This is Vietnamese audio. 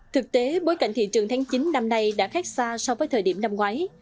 thực tế bối cảnh thị trường tháng chín năm nay đã khác xa so với thời điểm năm ngoái